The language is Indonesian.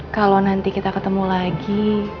kalau nanti kita ketemu lagi